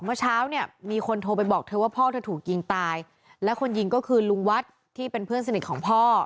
เมื่อเช้าเนี่ยมีคนโทรไปบอกเธอว่าพ่อเธอถูกยิงตายและคนยิงก็คือลุงวัดที่เป็นเพื่อนสนิทของพ่อ